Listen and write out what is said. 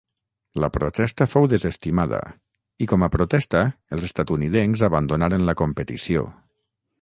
La protesta fou desestimada i com a protesta els estatunidencs abandonaren la competició.